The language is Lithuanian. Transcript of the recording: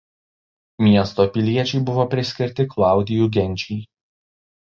Miesto piliečiai buvo priskirti Klaudijų genčiai.